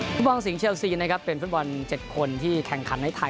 ฟุตบอลสิงหเชลซีนะครับเป็นฟุตบอล๗คนที่แข่งขันในไทย